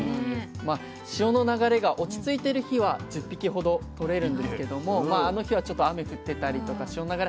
まあ潮の流れが落ち着いてる日は１０匹ほどとれるんですけどもあの日はちょっと雨降ってたりとか潮の流れ